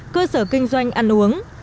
cơ sở kinh doanh ăn uống